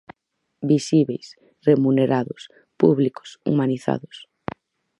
Visíbeis, remunerados, públicos, humanizados.